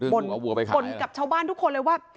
บ่นกับชาวบ้านทุกคนเลยว่า